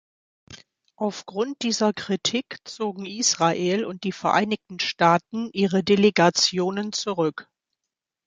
Auf Grund dieser Kritik zogen Israel und die Vereinigten Staaten ihre Delegationen zurück.